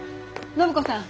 暢子さん